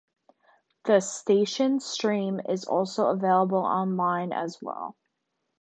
The station stream is also available online as well.